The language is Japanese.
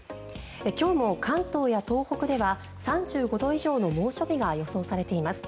今日も関東や東北では３５度以上の猛暑日が予想されています。